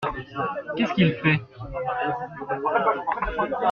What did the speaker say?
Qu’est-ce qu’il fait ?